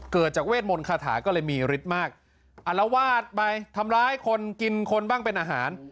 เกิดจากเวทมนต์คาถาก็เลยมีฤทธิ์มากอารวาสไปทำร้ายคนกินคนบ้างเป็นอาหาร